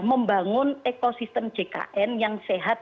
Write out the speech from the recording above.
membangun ekosistem jkn yang sehat